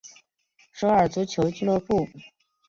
首尔足球俱乐部。